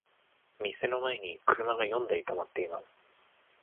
店の前に車が四台止まっています。